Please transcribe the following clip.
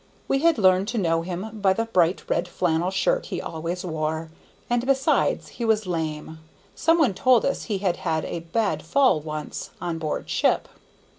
We had learned to know him by the bright red flannel shirt he always wore, and besides, he was lame; some one told us he had had a bad fall once, on board ship.